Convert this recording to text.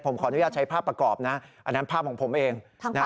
ผมขออนุญาตใช้ภาพประกอบนะอันนั้นภาพของผมเองนะฮะ